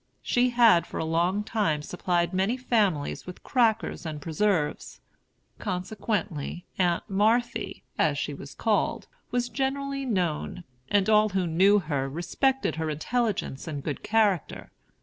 She had, for a long time, supplied many families with crackers and preserves; consequently "Aunt Marthy," as she was called, was generally known; and all who knew her respected her intelligence and good character.